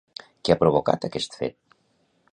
Què ha provocat aquest fet?